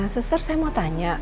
suster saya mau tanya